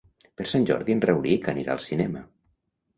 Per Sant Jordi en Rauric anirà al cinema.